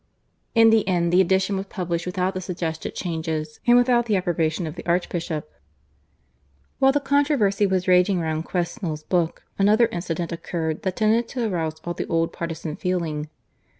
In the end the edition was published without the suggested changes and without the approbation of the archbishop. While the controversy was raging round Quesnel's book, another incident occurred that tended to arouse all the old partisan feeling.